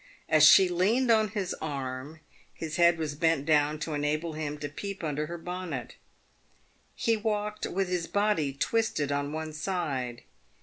As she leaned on his arm, his head was bent down to enable him to peep under her bonnet. He walked with his body twisted on one side.